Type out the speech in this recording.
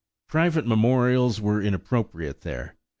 Private memorials were inappropriate there.